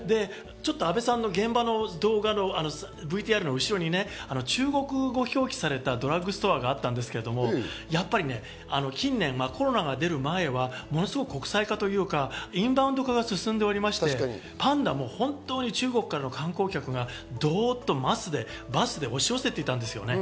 阿部さんの現場のＶＴＲの後ろに中国語で表記されたドラッグストアがあったんですけど、やっぱり近年、コロナが出る前は国際化というかインバウンド化が進んでおりまして、パンダも中国からの観光客がどっとバスで押し寄せていたんですね、